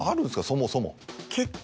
そもそも。